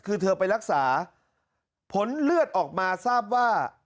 คือเธอไปรักษาผลเลือดออกมาทราบว่า